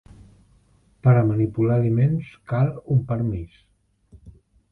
Per a manipular aliments cal un permís.